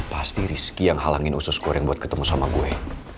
pasti rizky yang halangin usus goreng buat ketemu sama gue